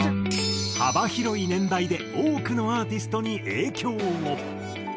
幅広い年代で多くのアーティストに影響を！